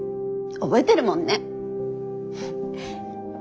覚えてるもんね。